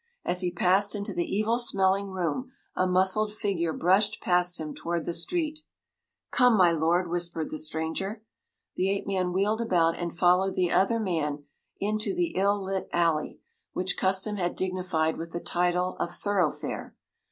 As he passed into the evil smelling room a muffled figure brushed past him toward the street. “Come, my lord!” whispered the stranger. The ape man wheeled about and followed the other into the ill lit alley, which custom had dignified with the title of thoroughfare.